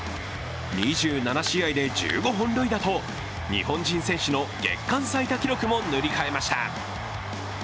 ２７試合で１５本塁打と日本人選手の月間最多記録も塗り替えました。